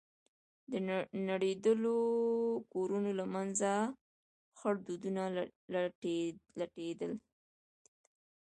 د نړېدلو كورونو له منځه خړ دودونه لټېدل.